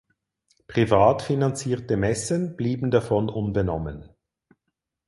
Privat finanzierte Messen blieben davon unbenommen.